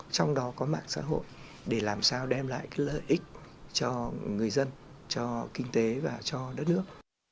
trong đó có mạng xã hội để làm sao đem lại lợi ích cho người dân cho kinh tế và cho đất nước